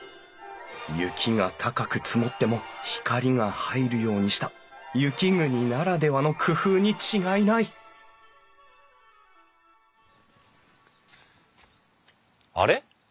雪が高く積もっても光が入るようにした雪国ならではの工夫に違いないあれ？